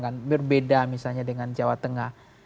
peanut out kita tetanya pemain ke kalimantan